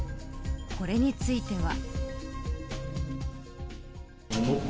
これについては。